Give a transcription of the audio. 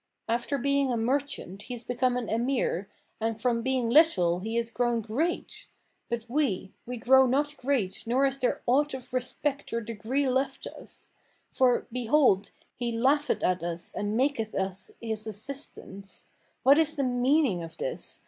After being a merchant, he is become an Emir, and from being little, he is grown great: but we, we grow not great nor is there aught of respect or degree left us; for, behold, he laugheth at us and maketh us his assistants! What is the meaning of this?